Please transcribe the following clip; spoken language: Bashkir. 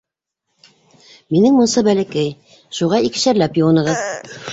Минең мунса бәләкәй, шуға икешәрләп йыуынығыҙ.